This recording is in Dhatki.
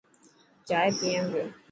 چائي پيان پيو.